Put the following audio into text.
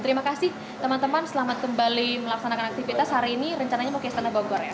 terima kasih teman teman selamat kembali melaksanakan aktivitas hari ini rencananya mau ke istana bogor ya